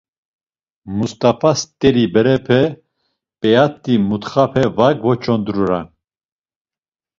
Must̆afa st̆eri berepe, p̌eat̆i mutxape va gvoç̌ondrunan.